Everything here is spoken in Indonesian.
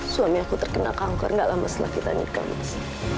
suami aku terkena kanker nggak lama setelah kita nikah mas